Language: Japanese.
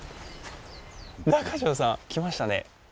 中城さん、来ましたね。